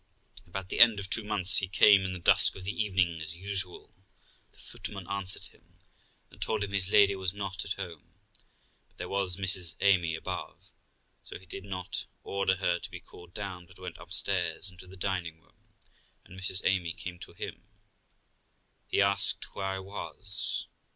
About the end of two months, he came in the dusk of the evening as usual. The footman answered him, and told him his lady was not at home, but there was Mrs Amy above ; so he did not order her to be called down, but went upstairs into the dining room, and Mrs Amy came to him. He asked where I was.